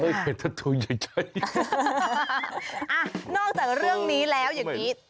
เฮ้ยเห็นตัวตัวใหญ่นอกจากเรื่องนี้แล้วอย่างนี้